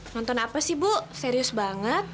nonton apa sih bu serius banget